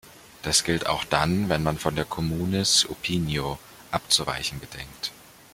Dies gilt auch dann, wenn man von der "communis opinio" abzuweichen gedenkt.